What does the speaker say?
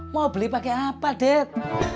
mau beli pakai apa dek